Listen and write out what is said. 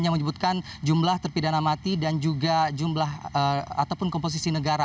yang menyebutkan jumlah terpidana mati dan juga jumlah ataupun komposisi negara